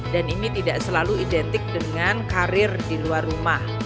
dan ini tidak selalu identik dengan karir di luar rumah